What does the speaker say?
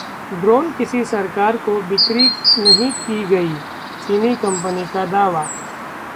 drone किसी सरकार को बिक्री नहीं की गई: चीनी कंपनी का दावा